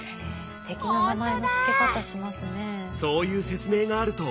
すてきな名前のつけ方しますね。